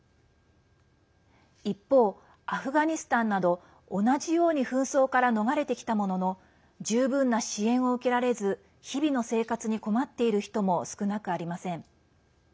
一方、アフガニスタンなど同じように紛争から逃れてきたものの十分な支援を受けられず日々の生活に困っている人も少なくありません。